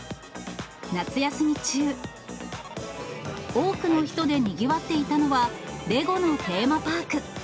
夏休み中、多くの人でにぎわっていたのは、レゴのテーマパーク。